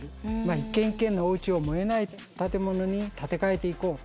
一軒一軒のおうちを燃えない建物に建て替えていこうと。